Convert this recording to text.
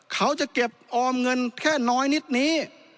เขาจะเก็บออมเงินแค่น้อยนิดนี้